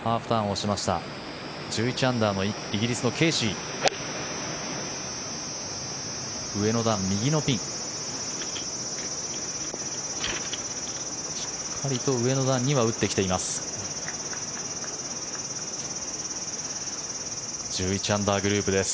しっかりと上の段には打ってきています。